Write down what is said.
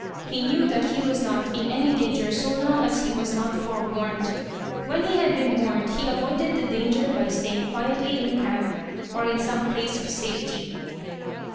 He knew that he was not in any danger so long as he was not forewarned. When he had been warned he avoided the danger by staying quietly in camp, or in some place of safety.